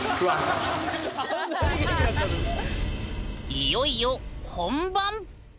いよいよ本番！